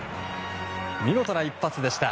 見事な一発でした。